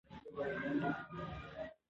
چنګلونه د افغانانو ژوند اغېزمن کوي.